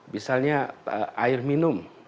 misalnya air minum